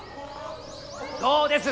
どうです？